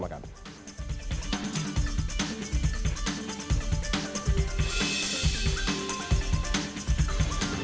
terima kasih pak bambang